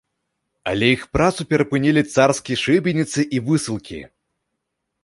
Але іх працу перапынілі царскія шыбеніцы і высылкі.